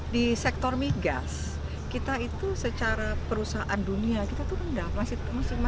di sektor migas kita itu secara perusahaan dunia kita itu rendah